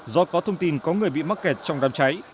do có thông tin có người bị mắc kẹt trong đám cháy